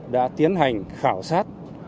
đã tiến hành khảo sát